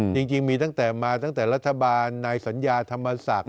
จริงมีตั้งแต่มาตั้งแต่รัฐบาลนายสัญญาธรรมศักดิ์